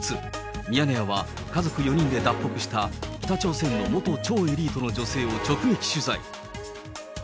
ミヤネ屋は家族４人で脱北した北朝鮮の元超エリートの女性を直撃取材。